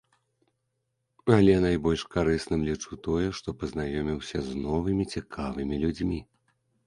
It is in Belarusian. Але найбольш карысным лічу тое, што пазнаёміўся з новымі цікавымі людзьмі.